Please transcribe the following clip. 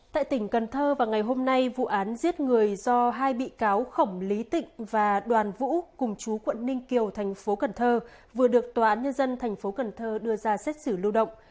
tại tỉnh cần thơ vào ngày hôm nay vụ án giết người do hai bị cáo khổng lý tịnh và đoàn vũ cùng chú quận ninh kiều thành phố cần thơ vừa được tòa án nhân dân thành phố cần thơ đưa ra xét xử lưu động